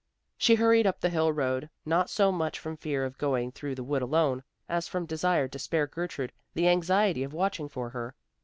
She hurried up the hill road, not so much from fear of going through the wood alone, as from desire to spare Gertrude the anxiety of watching for her.